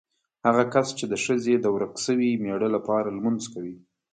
هغه کس چې د ښځې د ورک شوي مېړه لپاره لمونځ کوي.